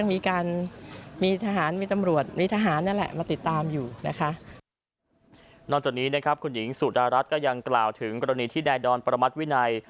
นอกจากนี้นะครับคุณหญิงสุดารัฐก็ยังกล่าวถึงกรณีที่นายดอนประมัติวินัย